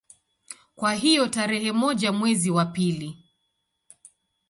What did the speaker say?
Kwa hiyo tarehe moja mwezi wa pili